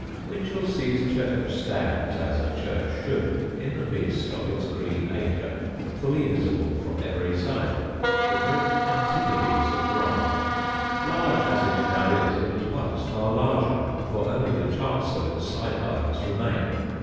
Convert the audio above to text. [Sidenote: THE ALARD TOMBS] Winchelsea's church stands, as a church should, in the midst of its green acre, fully visible from every side the very antipodes of Rye. Large as it now is, it was once far larger, for only the chancel and side aisles remain.